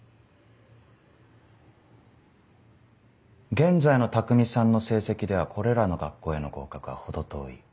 現在の匠さんの成績ではこれらの学校への合格は程遠い。